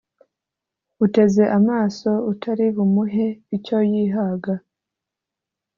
uteze amaso utari bumuhe icyo yihaga